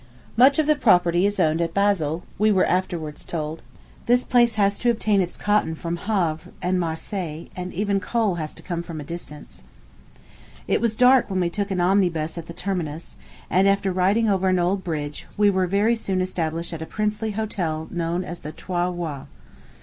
Much of the property is owned at Basle, we were afterwards told. This place has to obtain its cotton from Havre and Marseilles; and even coal has to come from a distance. It was dark when we took an omnibus at the terminus; and, after riding over an old bridge, we were very soon established at a princely hotel known as the Trois Rois.